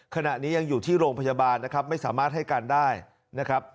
ขณะนี้ยังอยู่ที่โรงพยาบาลนะครับไม่สามารถให้การได้นะครับ